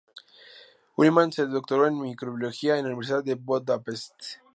Ullmann se doctoró en microbiología en la Universidad de Budapest.